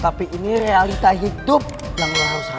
tapi ini realita hidup yang harus anda lihat